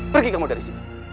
pergi kamu dari sini